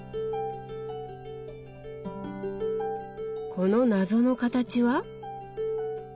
この謎の形は？